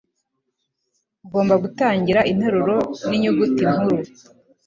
Ugomba gutangira interuro ninyuguti nkuru.